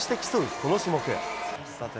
この種目。